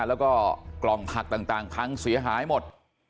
แล้วก็กล่องผักต่างพังเสียหายหมด